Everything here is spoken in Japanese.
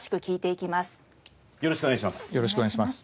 よろしくお願いします。